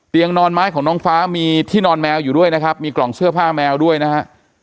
นอนไม้ของน้องฟ้ามีที่นอนแมวอยู่ด้วยนะครับมีกล่องเสื้อผ้าแมวด้วยนะฮะ